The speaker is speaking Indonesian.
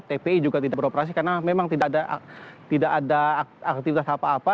tpi juga tidak beroperasi karena memang tidak ada aktivitas apa apa